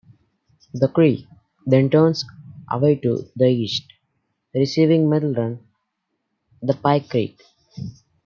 The creek then turns away to the east, receiving Middle Run and Pike Creek.